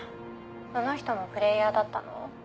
その人もプレーヤーだったの？